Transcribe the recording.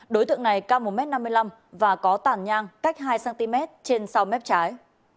đối tượng này cao một m năm mươi năm và có tản nhang cách hai cm trên sau mép trái